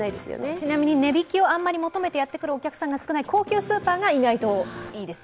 ちなみに値引きを求めてやってくるお客さんが少ない高級スーパーがいいです。